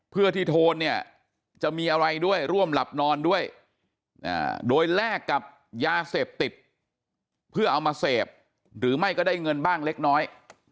เพื่อที่โทนเนี่ยจะมีอะไรด้วยร่วมหลับนอนด้วยโดยแลกกับยาเสพติดเพื่อเอามาเสพหรือไม่ก็ได้เงินบ้างเล็กน้อย